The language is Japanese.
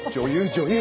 女優！